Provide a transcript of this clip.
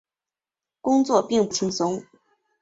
工作并不轻松